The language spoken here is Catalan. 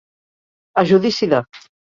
A judici de.